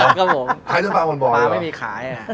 ขายจนปลาหมดบ่อหรอครับผมขายจนปลาหมดบ่อหรอปลาไม่มีขาย